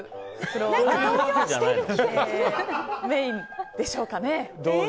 それがメインでしょうかね。